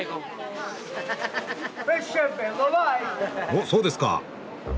おっそうですか。